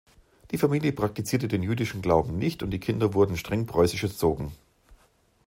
Die Familie praktizierte den jüdischen Glauben nicht, und die Kinder wurden streng preußisch erzogen.